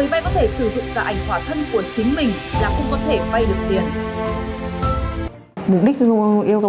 và đặc biệt người vay có thể sử dụng cả ảnh hỏa thân của chính mình là cũng có thể vay được tiền